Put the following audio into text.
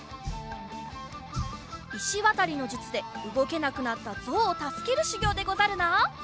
石渡りの術でうごけなくなったゾウをたすけるしゅぎょうでござるな。